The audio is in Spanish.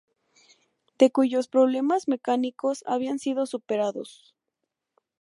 D, cuyos problemas mecánicos habían sido superados.